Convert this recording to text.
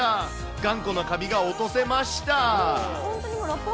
頑固なカビが落とせました。